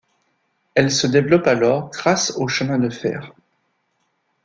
Elle se développe alors grâce au chemin de fer.